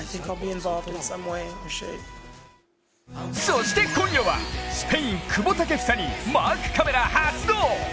そして今夜はスペイン・久保建英にマークカメラ発動。